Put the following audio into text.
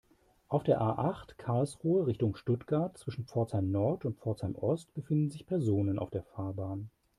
Auf der A-acht, Karlsruhe Richtung Stuttgart, zwischen Pforzheim-Nord und Pforzheim-Ost befinden sich Personen auf der Fahrbahn.